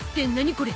これ